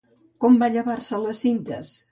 Com va llevar-se les cintes?